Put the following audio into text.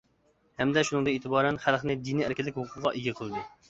ھەمدە شۇنىڭدىن ئېتىبارەن خەلقنى دىنىي ئەركىنلىك ھوقۇقىغا ئىگە قىلدى.